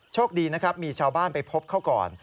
โชคดีนะครับมีชาวบ้านไปพบเขาก่อน